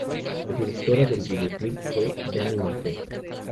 La directora del videoclip fue Diane Martel.